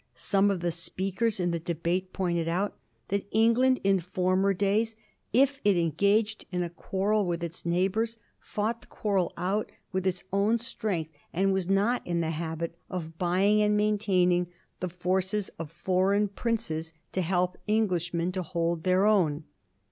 Some of the speakers in the debate pointed out that England in former days, if it engaged in a quarrel with its neighbours, fought the quarrel out with its own strength, and was not in the habit of buying and maintaining the forces of foreign princes to help Englishmen to hold their own.